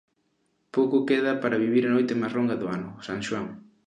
Pouco queda para vivir a noite máis longa do ano, o San Xoán.